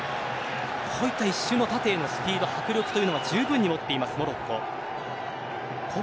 こういった一瞬の縦へのスピード迫力というのは十分に持っています、モロッコ。